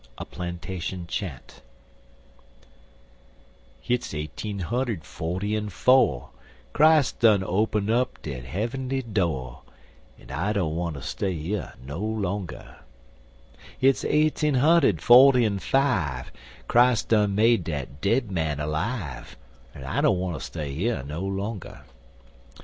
A PLANTATION CHANT Hit's eighteen hunder'd forty en fo', Christ done open dat He'v'mly do' An' I don't wanter stay yer no longer; Hit's eighteen hunder'd forty en five, Christ done made dat dead man alive An' I don't wanter stay yer no longer.